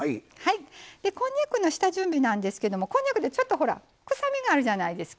こんにゃくの下準備なんですけどこんにゃくって、ちょっと臭みがあるじゃないですか。